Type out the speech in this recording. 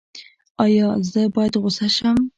ایا زه باید غوسه شم؟